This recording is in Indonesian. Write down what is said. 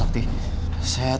aku mau ke rumah